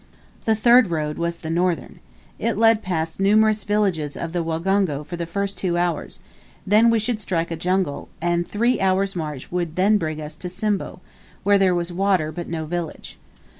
The third road was the northern. It led past numerous villages of the Wagogo for the first two hours; then we should strike a jungle; and a three hours' march would then bring us to Simbo, where there was water, but no village.